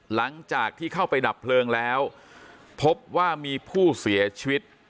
หลังจากที่เข้าไปดับเพลิงแล้วพบว่ามีผู้เสียชีวิต